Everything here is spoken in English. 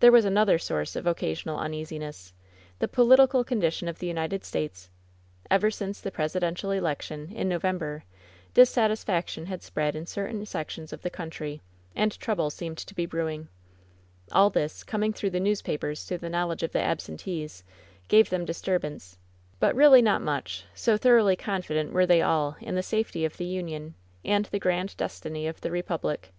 There was another source of occasional uneasiness — the political condition of the United States. Ever since the presidential election, in November, dissatisfaction had spread in certain sections of the country, and trouble seemed to be brewing. All this, coming through the newspapers to the knowl edge of the absentees, gave them disturbance, but really WHEN SHADOWS DIE 11 not much, so thoroughly confident were they all in the safety of the Union, and the grand destiny of the re public.